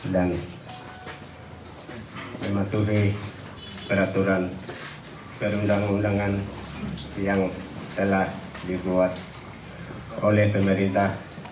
dan mematuhi peraturan perundangan undangan yang telah dibuat oleh pemerintah